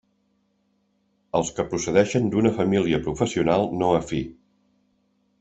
Els que procedeixen d'una família professional no afí.